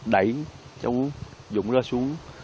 đẩy cháu dụng ra xuống